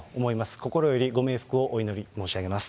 心よりご冥福をお祈り申し上げます。